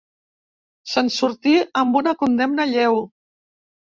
Se'n sortí amb una condemna lleu.